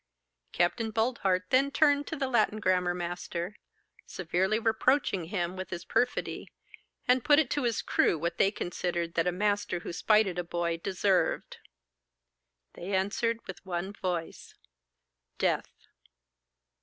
Capt. Boldheart then turned to the Latin grammar master, severely reproaching him with his perfidy, and put it to his crew what they considered that a master who spited a boy deserved. They answered with one voice, 'Death.